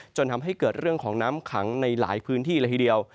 จนทำให้เกิดเรื่องของน้ำขังในหลายพื้นที่เลยทีเดียว